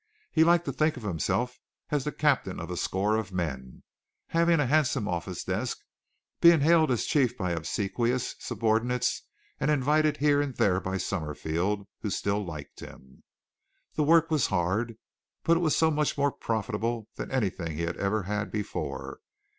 He liked to think of himself as the captain of a score of men, having a handsome office desk, being hailed as chief by obsequious subordinates and invited here and there by Summerfield, who still liked him. The work was hard, but it was so much more profitable than anything he had ever had before.